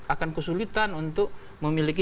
akan kesulitan untuk memiliki